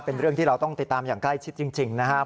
เป็นเรื่องที่เราต้องติดตามอย่างใกล้ชิดจริงนะครับ